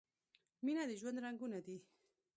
مینه د ژوند رنګونه دي.